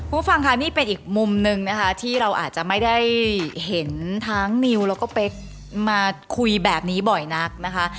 ผู้ฟังค่ะนี่เป็นอีกมุมหนึ่งนะคะที่เราอาจจะไม่ได้เห็นทั้งนิวแล้วก็เป๊กมาคุยแบบนี้บ่อยนักนะคะ